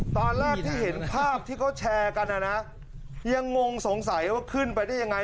ตอนแรกที่เห็นภาพที่เขาแชร์กันนะนะยังงงสงสัยว่าขึ้นไปได้ยังไง